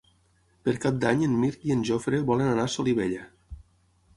Per Cap d'Any en Mirt i en Jofre volen anar a Solivella.